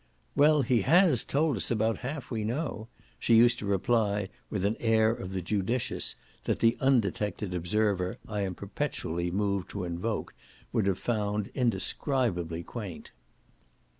"Well, he HAS told us about half we know," she used to reply with an air of the judicious that the undetected observer I am perpetually moved to invoke would have found indescribably quaint.